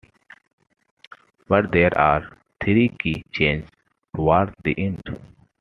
But there are three key changes towards the end.